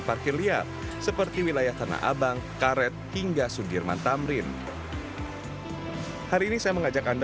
parkir liar seperti wilayah tanah abang karet hingga sudirman tamrin hari ini saya mengajak anda